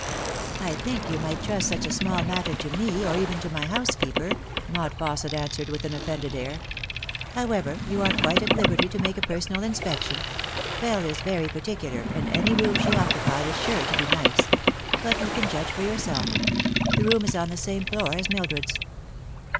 " I think you might trust such a small matter to me, or even to my housekeeper," Maud Fausset answered with an offended air. " However, you are quite at liberty to make a personal inspection. Bell is very particular, and any room she occupied is sure to be nice. But you can judge for yourself. The room is on the same floor as Mildred's."